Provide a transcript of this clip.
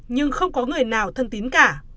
nhưng không có người nào thân tính cả